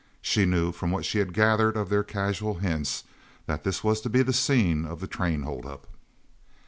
She knew, from what she had gathered of their casual hints, that this was to be the scene of the train hold up.